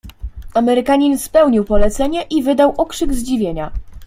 "Amerykanin spełnił polecenie i wydał okrzyk zdziwienia."